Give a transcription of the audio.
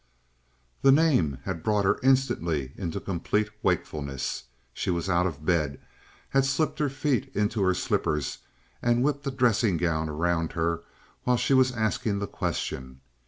The name had brought her instantly into complete wakefulness; she was out of the bed, had slipped her feet into her slippers and whipped a dressing gown around her while she was asking the question.